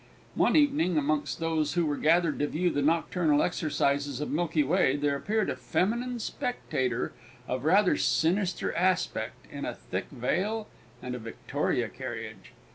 One evening amongst those who were gathered to view the nocturnal exercises of Milky Way there appeared a feminine spectator of rather sinister aspect, in a thick veil and a victoria carriage.